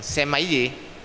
xe máy gì